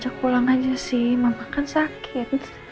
dia aja pulang aja sih mama kan sakit